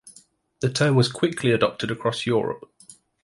The term was quickly adopted across Europe.